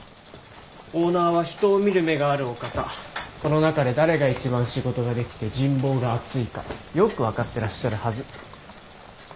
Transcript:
オーナーは人を見る目があるお方この中で誰が一番仕事ができて人望が厚いかよく分かってらっしゃるはず。